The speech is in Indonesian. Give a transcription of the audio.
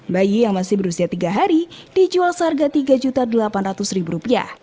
bayi yang masih berusia tiga hari dijual seharga rp tiga delapan ratus